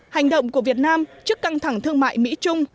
hành động của việt nam trước căng thẳng thương mại mỹ trung